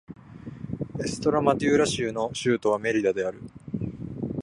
エストレマドゥーラ州の州都はメリダである